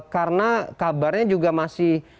karena kabarnya juga masih